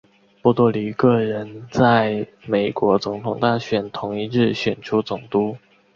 波多黎各人在美国总统大选同一日选出总督。